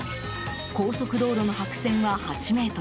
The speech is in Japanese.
高速道路の白線は８ｍ。